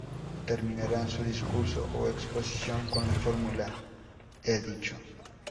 Terminarán su discurso o exposición con la fórmula: "He dicho".